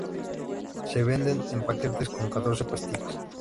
Se venden en paquetes con catorce pastillas.